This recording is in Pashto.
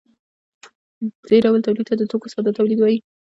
دې ډول تولید ته د توکو ساده تولید وايي.